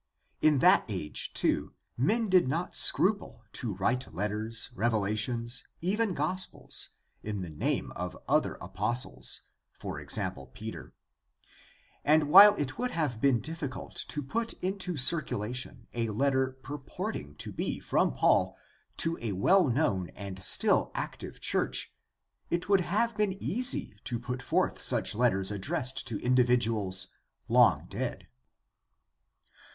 In that age, too, men did not scruple to wTite letters, revelations, even gospels, in the name of other apostles, for example, Peter; and while it would have 1 84 GUIDE TO STUDY OF CHRISTIAN RELIGION been difficult to put into circulation a letter purporting to be from Paul to a well known and still active church, it would have been easy to put forth such letters addressed to indi viduals long dead.